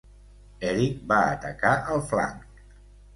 Eric va atacar el flanc.